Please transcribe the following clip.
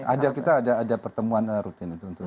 ada kita ada pertemuan rutin